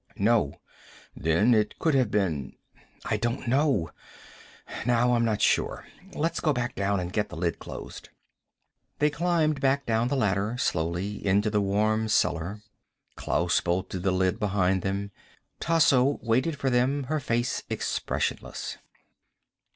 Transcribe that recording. "No." "Then it could have been " "I don't know. Now I'm not sure. Let's go back down and get the lid closed." They climbed back down the ladder slowly, into the warm cellar. Klaus bolted the lid behind them. Tasso waited for them, her face expressionless.